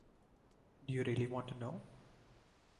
Do you really want to know?